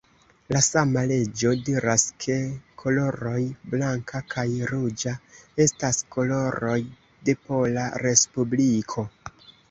La sama leĝo diras, ke koloroj blanka kaj ruĝa estas koloroj de Pola Respubliko.